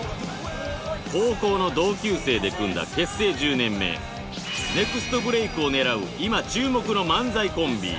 高校の同級生で組んだ結成１０年目ネクストブレイクを狙う今注目の漫才コンビ